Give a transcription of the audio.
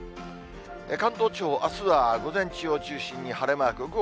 関東地方、あすは午前中を中心に晴れマーク。